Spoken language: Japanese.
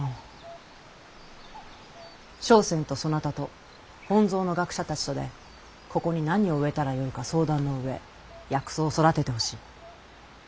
笙船とそなたと本草の学者たちとでここに何を植えたらよいか相談の上薬草を育ててほしい。